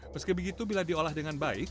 meski begitu bila diolah dengan baik